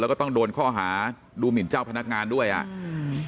แล้วก็ต้องโดนข้อหาดูหมินเจ้าพนักงานด้วยอ่ะอืม